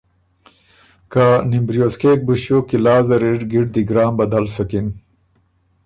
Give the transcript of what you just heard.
که نِمبریوز کېک بُو ݭیوک قلعه زر اِر ګِړدی ګرام بدل سُکِن۔